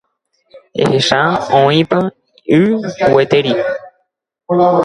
Ehecha oĩpa y gueteri.